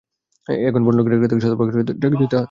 এখানে পণ্য কিনলে ক্রেতাকে শতকরা সাত ভাগ হারে ট্যাক্স দিতে হয়।